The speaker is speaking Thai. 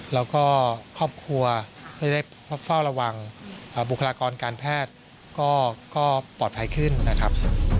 แล้วก็ครอบครัวจะได้เฝ้าระวังบุคลากรการแพทย์ก็ปลอดภัยขึ้นนะครับ